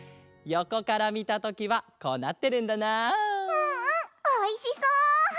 うんうんおいしそう！